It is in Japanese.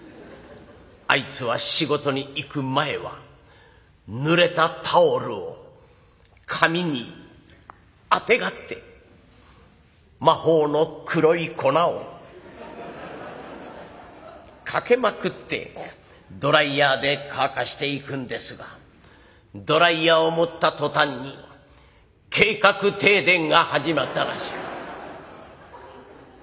あいつは仕事に行く前はぬれたタオルを髪にあてがって魔法の黒い粉をかけまくってドライヤーで乾かしていくんですがドライヤーを持った途端に計画停電が始まったらしい。